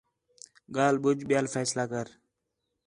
ڳالھ ٻُجھ ٻِیال فیصلہ کر